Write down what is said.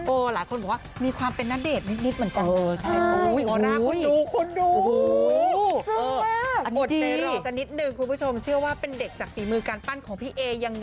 โอ้หลายคนก็ว่ามีความเป็นนั่นเดชนิดเหมือนกัน